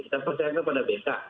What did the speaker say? kita percaya kepada bk